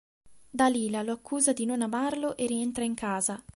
Dalila lo accusa di non amarlo e rientra in casa.